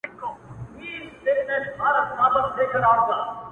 یوه ورځ گوربت زمري ته ویل وروره!!